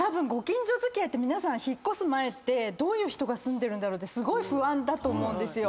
たぶん皆さん引っ越す前ってどういう人が住んでるんだろうって不安だと思うんですよ。